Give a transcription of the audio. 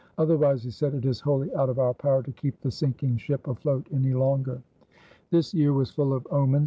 "Otherwise," he said, "it is wholly out of our power to keep the sinking ship afloat any longer." This year was full of omens.